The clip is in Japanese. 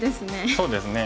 そうですね。